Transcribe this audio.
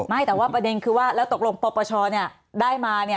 ไม่แต่ว่าประเด็นคือว่าแล้วตกลงปปชได้มา